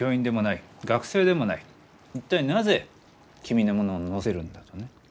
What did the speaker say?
一体なぜ君のものを載せるんだとね。